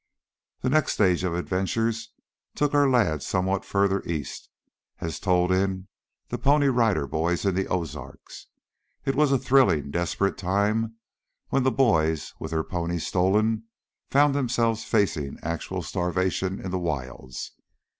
The next stage of adventures took our lads somewhat further east, as told in "The Pony Rider Boys in the Ozarks." It was a thrilling, desperate time when the boys, with their ponies stolen, found themselves facing actual starvation in the wilds.